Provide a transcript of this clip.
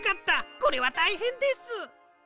これはたいへんです！